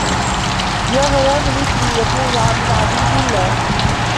يَا هَنَاهُ مِثْلِي يَكُونُ مِنْ عَبِيدِ اللَّهِ